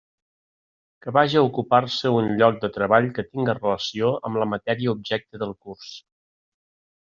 Que vaja a ocupar-se un lloc de treball que tinga relació amb la matèria objecte del curs.